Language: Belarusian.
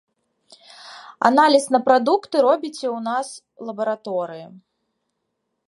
Аналіз на прадукты робіце ў нас у лабараторыі.